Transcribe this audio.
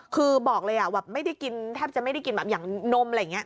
คือบอกเลยแทบจะไม่ได้กินแบบอย่างนมอะไรอย่างนี้